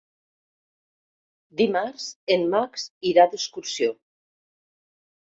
Dimarts en Max irà d'excursió.